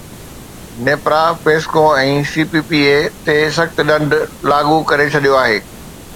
NEPRA PESCO ۽ C P P A تي سخت ڏنڊ لاڳو ڪري ڇڏيو آهي